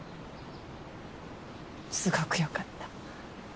すごく良かった。